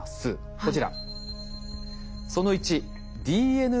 こちら。